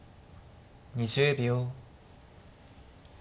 ２０秒。